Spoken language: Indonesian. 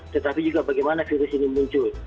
tetapi juga bagaimana virus ini muncul